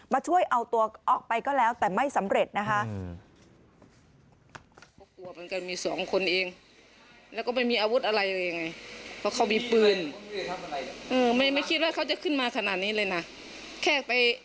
ช่วยเอาตัวออกไปก็แล้วแต่ไม่สำเร็จนะคะ